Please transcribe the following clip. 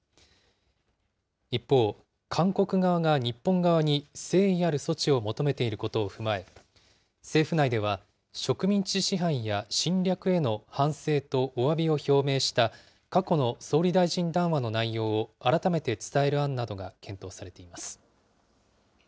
一方、韓国側が日本側に誠意ある措置を求めていることを踏まえ、政府内では、植民地支配や侵略への反省とおわびを表明した過去の総理大臣談話の内容を改めて伝える案などが検討されています。